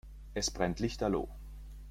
Es brennt lichterloh.